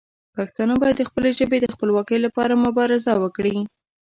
پښتانه باید د خپلې ژبې د خپلواکۍ لپاره مبارزه وکړي.